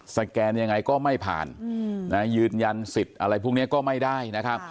แกนยังไงก็ไม่ผ่านยืนยันสิทธิ์อะไรพวกนี้ก็ไม่ได้นะครับ